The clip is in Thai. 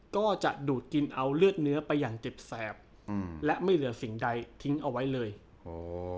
ก็จะดูดกินเอาเลือดเนื้อไปอย่างเจ็บแสบอืมและไม่เหลือสิ่งใดทิ้งเอาไว้เลยโอ้